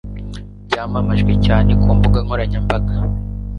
Byamamajwe cyane ku mbuga nkoranyambaga